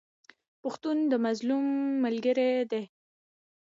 پښتون د مظلوم ملګری دی.